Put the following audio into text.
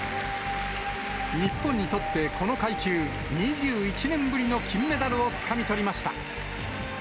日本にとって、この階級、２１年ぶりの金メダルをつかみ取りました。